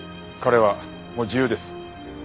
彼はもう自由です。